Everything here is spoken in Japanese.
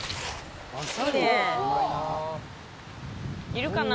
いるかな？